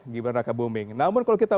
gibran raka booming namun kalau kita